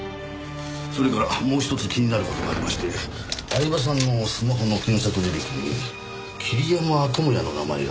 それからもうひとつ気になる事がありまして饗庭さんのスマホの検索履歴に桐山友哉の名前がありました。